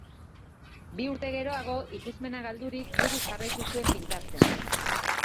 Bi urte geroago, ikusmena galdurik, buruz jarraitu zuen pintatzen.